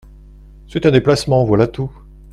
C’est un déplacement, voilà tout…